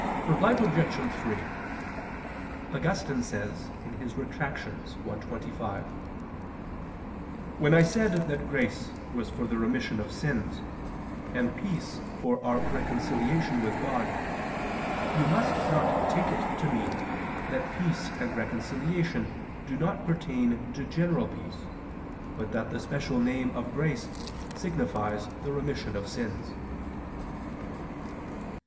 Reply Obj. 3: Augustine says (Retract. i, 25): "When I said that grace was for the remission of sins, and peace for our reconciliation with God, you must not take it to mean that peace and reconciliation do not pertain to general peace, but that the special name of grace signifies the remission of sins."